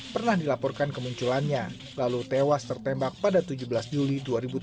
pernah dilaporkan kemunculannya lalu tewas tertembak pada tujuh belas juli dua ribu tujuh belas